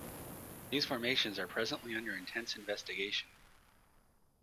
These formations are presently under intense investigation.